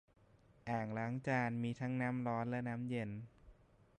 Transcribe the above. อ่างล้างจานมีทั้งน้ำร้อนและน้ำเย็น